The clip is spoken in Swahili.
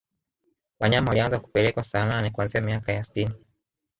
wanyama walianza kupelekwa saanane kuanzia miaka ya sitini